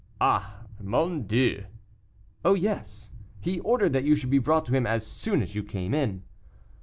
"Ah! mon Dieu!" "Oh! yes; he ordered that you should be brought to him as soon as you came in."